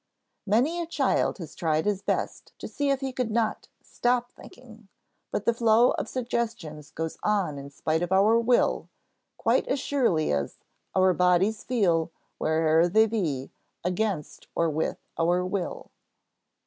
Many a child has tried his best to see if he could not "stop thinking," but the flow of suggestions goes on in spite of our will, quite as surely as "our bodies feel, where'er they be, against or with our will."